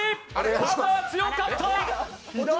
パパは強かった！